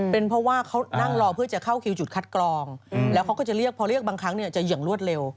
เป็นเพราะว่าเขานั่งรอเพื่อจะเข้าคิวจุดคัดกรองแล้วเขาก็จะเรียกพอเรียกบางครั้งเนี่ยจะอย่างรวดเร็ว